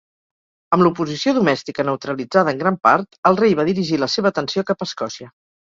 Amb l'oposició domèstica neutralitzada en gran part, el rei va dirigir la seva atenció cap a Escòcia.